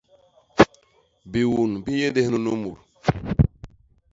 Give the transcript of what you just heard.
Biun bi nyéndés nunu mut.